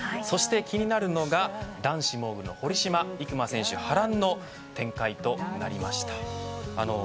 そして気になるのが男子モーグルの堀島行真選手、波乱の展開となりました。